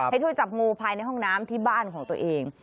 ให้ช่วยจับงูภายในห้องน้ำที่บ้านของตัวเอง